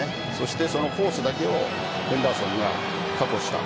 そのコースだけをヘンダーソンがカットした。